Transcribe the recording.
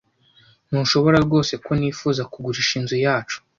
Ntushobora rwose ko nifuza kugurisha inzu yacu.